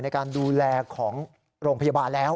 ในการดูแลของโรงพยาบาลแล้ว